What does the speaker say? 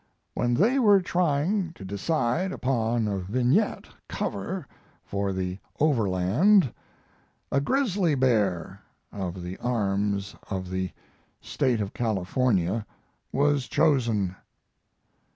When they were trying to decide upon a vignette cover for the Overland a grizzly bear (of the arms of the State of California) was chosen.